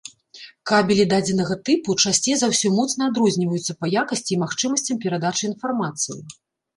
Кабелі дадзенага тыпу часцей за ўсё моцна адрозніваюцца па якасці і магчымасцям перадачы інфармацыі.